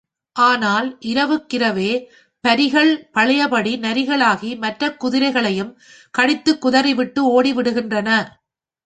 ஆனால் இரவுக்கிரவே பரிகள் பழையபடி நரிகளாகி மற்றக் குதிரைகளையும் கடித்துக்குதறிவிட்டு ஓடிவிடுகின்றன.